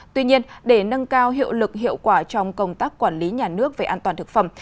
tuy nhiên để nâng cao hiệu lực hiệu quả trong công tác quản lý nhà nước về an toàn thực phẩm